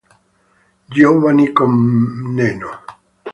Giovanni Comneno